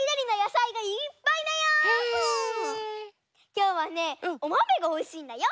きょうはねおまめがおいしいんだよ。